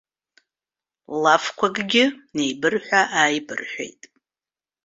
Лафқәакгьы неибырҳәа-ааибырҳәеит.